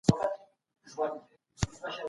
لويې جرګي به د ملي موزيمونو د بيارغونې ملاتړ کړی وي.